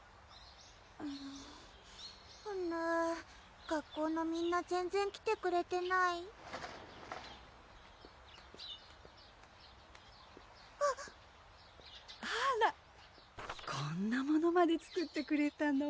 ふぬ学校のみんな全然来てくれてないあらこんなものまで作ってくれたの？